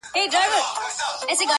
د کوترو له کهاله، په یوه شان یو -